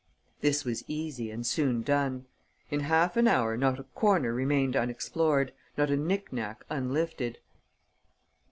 This was easy and soon done. In half an hour, not a corner remained unexplored, not a knick knack unlifted.